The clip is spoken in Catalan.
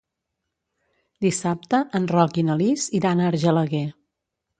Dissabte en Roc i na Lis iran a Argelaguer.